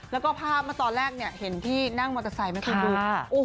แล้วก็ภาพมาตอนแรกเนี่ยเห็นที่นั่งมอเตอร์ไซค์มาคุดดู